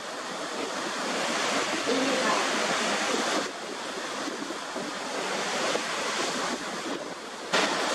Iriġait.